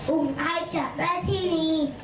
อุ้มให้จัดแวะที่มี